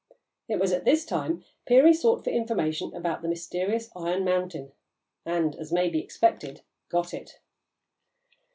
It was at this time Peary sought for information about the mysterious iron mountain, and, as may be expected, got it.